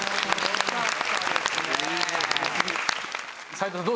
斎藤さん